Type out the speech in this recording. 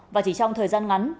và chỉ trong thời gian ngắn